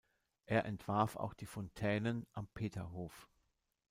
Er entwarf auch die Fontänen am Peterhof.